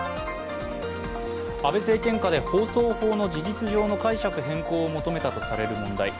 安倍政権下で放送法の事実上の解釈変更を求めたとされる問題。